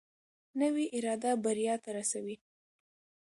نوې اراده بریا ته رسوي